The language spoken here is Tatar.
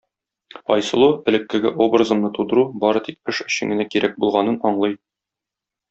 Айсылу элеккеге образымны тудыру бары тик эш өчен генә кирәк булганын аңлый.